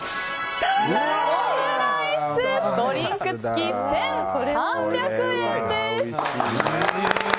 オムライスドリンク付き１３００円です。